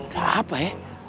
gak apa ya